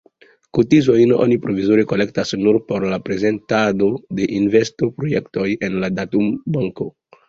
Kotizojn oni provizore kolektas nur por la prezentado de investoprojektoj en la datumbanko.